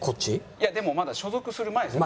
いやでもまだ所属する前ですね。